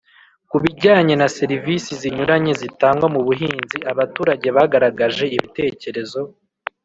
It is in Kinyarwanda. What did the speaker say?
Ku bijyanye na serivisi zinyuranye zitangwa mu buhinzi abaturage bagaragaje ibitekerezo